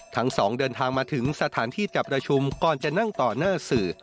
ทั้งสองเดินทางมาถึงสถานที่จับประชุมก่อนจะนั่งต่อหน้าสื่อ